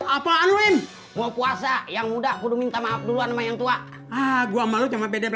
apaan wim puasa yang mudah minta maaf duluan yang tua gue sama lo cuma bebek